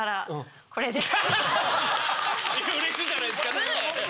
うれしいじゃないですかねぇ！